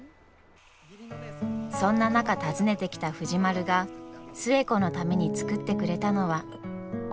そんな中訪ねてきた藤丸が寿恵子のために作ってくれたのは。